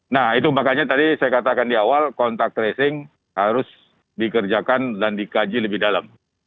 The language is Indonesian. nah itu makanya tadi saya katakan di awal kontak tracing harus dikerjakan dan dikaji lebih dalam